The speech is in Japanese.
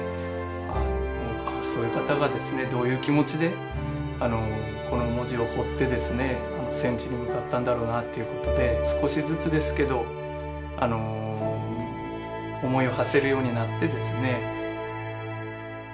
ああそういう方がですねどういう気持ちでこの文字を彫って戦地に向かったんだろうなということで少しずつですけど思いをはせるようになってですね。